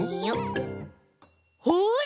ほら！